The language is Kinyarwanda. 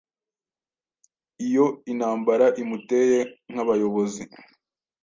Iyo intambara imuteye nkabayobozi